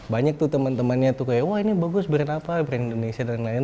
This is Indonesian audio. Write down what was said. banyak tuh teman temannya tuh kayak wah ini bagus brand apa brand indonesia dan lain lain